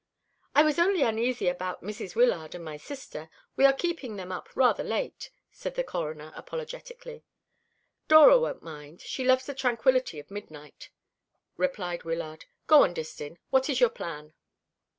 "I was only uneasy about Mrs. Wyllard and my sister. We are keeping them up rather late," said the Coroner apologetically. "Dora won't mind. She loves the tranquillity of midnight," replied Wyllard. "Go on, Distin. What is your plan?"